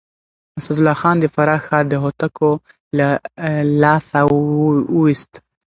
اسدالله خان د فراه ښار د هوتکو له لاسه وويست.